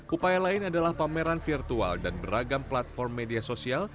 upaya lain adalah pameran virtual dan beragam platform media sosial